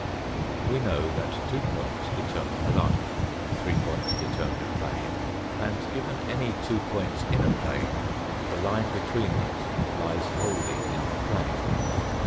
We know that two points determine a line, three points determine a plane, and given any two points in a plane the line between them lies wholly in the plane.